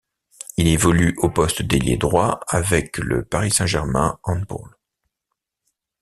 Il évolue au poste d'ailier droit avec le Paris Saint-Germain Handball.